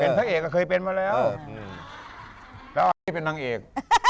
เป็นพระเอกเคยเป็นมาแล้วแล้วเป็นนางเอก